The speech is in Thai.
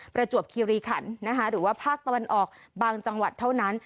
ประจวบคิริขันนะคะหรือว่าภาคตะวันออกบางจังหวัดเท่านั้น